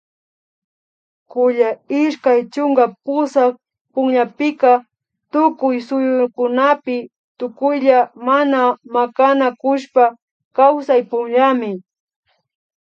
kulla ishkay chunka pusak punllapika tukuy suyukunapi tukuylla mana makanakushpa kawsay punllami